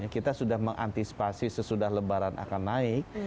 kita sudah mengantisipasi sesudah lebaran akan naik